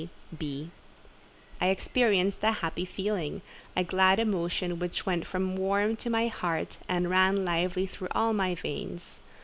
G. B." I experienced a happy feeling—a glad emotion which went warm to my heart, and ran lively through all my veins.